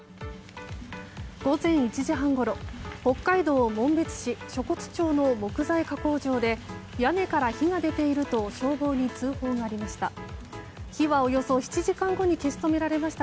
午前１時半ごろ北海道紋別市渚滑町の木材加工場で屋根から火が出ていると消防に通報がありました。